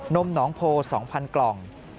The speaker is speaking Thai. นมน้องโพล๒๐๐๐กล่อง